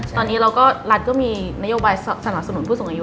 ตอนนี้เราก็รัฐก็มีนโยบายสนับสนุนผู้สูงอายุ